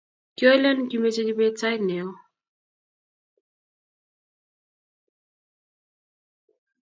Kyoleen kimeche kibet sait neo